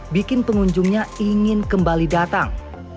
bikin pengunjungnya ingin kembali datang